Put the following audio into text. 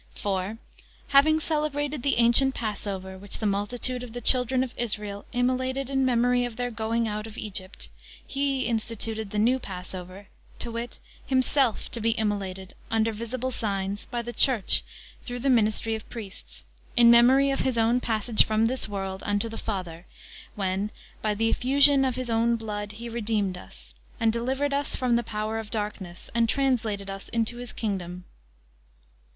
For, having celebrated the ancient Passover, which the multitude of the children of Israel immolated in memory of their going out of [Page 154] Egypt, He instituted the new Passover, (to wit) Himself to be immolated, under visible signs, by the Church through (the ministry of) priests, in memory of His own passage from this world unto the Father, when by the effusion of His own blood He redeemed us, and delivered us from the power of darkness, and translated us into his kingdom.